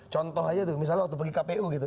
contoh aja misalnya waktu pergi kpu gitu